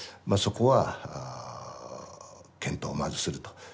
まあそこは検討をまずすると。